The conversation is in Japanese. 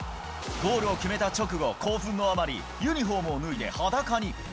ゴールを決めた直後、興奮のあまり、ユニホームを脱いではだかに。